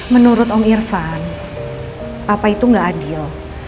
menurut om irfan papa itu gak adil